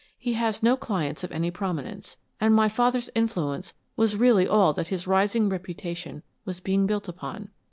He has no clients of any prominence, and my father's influence was really all that his rising reputation was being built upon.